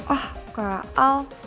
oh kak al